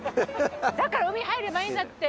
だから海入ればいいんだって。